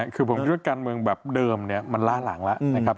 คือผมคิดว่าการเมืองแบบเดิมเนี่ยมันล่าหลังแล้วนะครับ